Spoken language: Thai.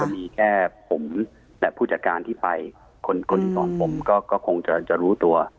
มีแค่ผมและผู้จัดการที่ไปคนที่สอนผมก็คงจะรู้ตัว